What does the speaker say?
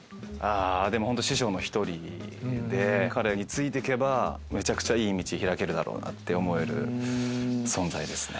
彼についてけばめちゃくちゃいい道開けるだろうなって思える存在ですね。